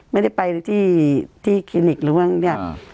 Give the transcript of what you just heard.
ไม่ได้ไปที่ที่คลินิกหรืออะไรอย่างเงี้ยอ่า